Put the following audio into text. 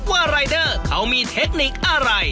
รายเดอร์เขามีเทคนิคอะไร